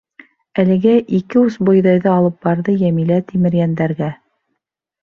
Әлеге ике ус бойҙайҙы алып барҙы Йәмилә Тимерйәндәргә.